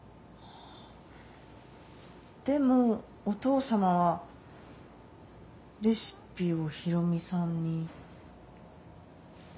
でもお父様はレシピを大海さんに。